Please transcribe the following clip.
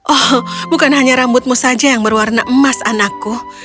oh bukan hanya rambutmu saja yang berwarna emas anakku